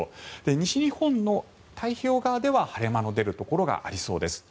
西日本の太平洋側では晴れ間の出るところがありそうです。